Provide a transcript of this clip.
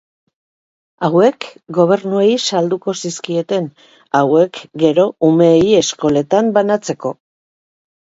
Hauek gobernuei salduko zizkieten, hauek gero umeei eskoletan banatzeko.